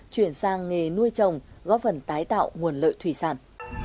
chuyển sang nghề nuôi trồng góp phần tái tạo nguồn lợi thủy sản